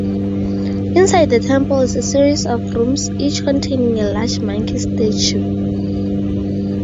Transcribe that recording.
Inside the temple is a series of rooms each containing a large monkey statue.